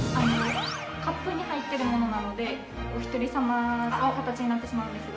カップに入っているものなのでおひとり様のかたちになってしまうんですが。